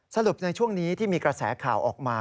สรุปในช่วงนี้ที่มีกระแสข่าวออกมา